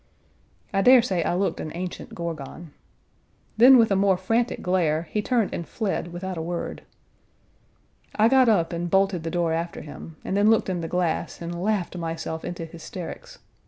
I dare say I looked an ancient Gorgon. Then, with a more frantic glare, he turned and fled without a word. I got up and bolted the door after him, and then looked in the glass and laughed myself into hysterics.